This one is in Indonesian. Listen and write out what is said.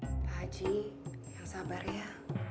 pak haji yang sabar ya